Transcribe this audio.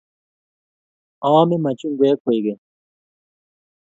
aame machungwek kwekeny